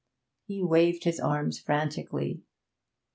He waved his arms frantically.